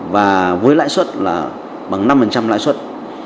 và với lãi suất là bằng năm lãi suất